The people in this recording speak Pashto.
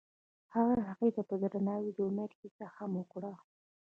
هغه هغې ته په درناوي د امید کیسه هم وکړه.